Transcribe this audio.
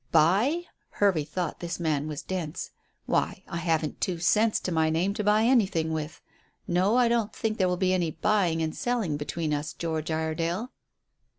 "Buy?" Hervey thought this man was dense. "Why, I haven't two cents to my name to buy anything with. No, I don't think there will be any buying and selling between us, George Iredale."